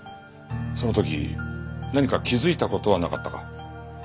その時何か気づいた事はなかったか？